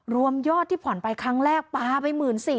รวมยอดที่ผ่อนไปครั้งแรกปลาไป๑๔๐๐